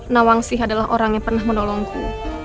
nawangsih adalah orang yang pernah menolongku